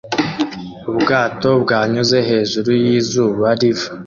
Ubwato bwanyuze hejuru y'izuba riva